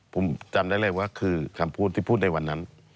ผมจำได้เลยว่าคือคำพูดที่พูดในวันนั้น